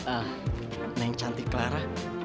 ah neng cantik clara